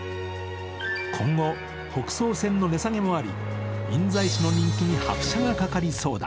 今後、北総線の値下げもあり、印西市の人気に拍車がかかりそうだ。